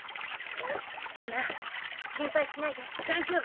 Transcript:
たま心配しないで大丈夫。